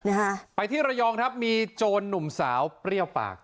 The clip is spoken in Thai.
นะฮะไปที่ระยองครับมีโจรหนุ่มสาวเปรี้ยวปาก